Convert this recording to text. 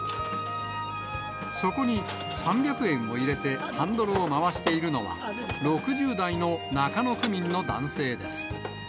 そこに、３００円を入れてハンドルを回しているのは、６０代の中野区民の男性です。